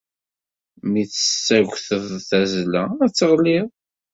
Mi tessaggted tazzla, ad teɣlid.